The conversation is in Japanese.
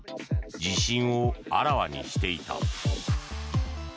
自信をあらわにしていた。